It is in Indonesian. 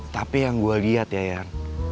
tapi yang gue liat ya yang